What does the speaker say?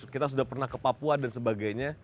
kita sudah pernah ke papua dan sebagainya